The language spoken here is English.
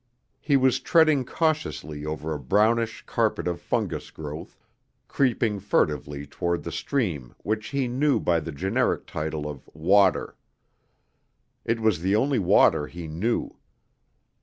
He was treading cautiously over a brownish carpet of fungus growth, creeping furtively toward the stream which he knew by the generic title of "water." It was the only water he knew.